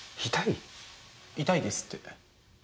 痛いですって。